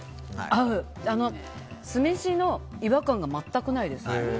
酢飯の違和感が全くないですね。